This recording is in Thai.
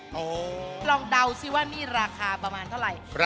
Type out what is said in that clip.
ลองเดาสิว่านี่ราคาประมาณเท่าไหร่